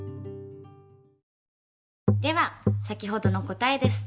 では先ほどの答えです。